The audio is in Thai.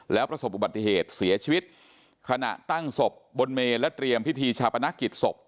แล้วประสบอุบัติเหตุเสียชีวิตขณะตั้งศพบนเมนและเตรียมพิธีชาปนกิจศพ